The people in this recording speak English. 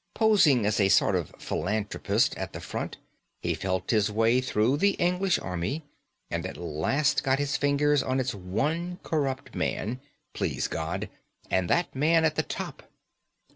Posing as a sort of philanthropist at the front, he felt his way through the English Army, and at last got his fingers on its one corrupt man please God! and that man at the top.